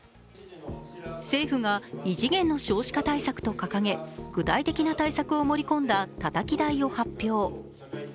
政府が異次元の少子化対策と掲げ、具体的な対策を盛り込んだたたき台を発表。